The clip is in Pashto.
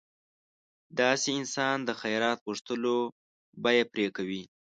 داسې انسان د خیرات غوښتلو بیه پرې کوي.